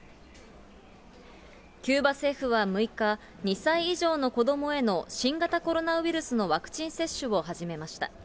キューバ政府は６日、２歳以上の子どもへの新型コロナウイルスのワクチン接種を始めました。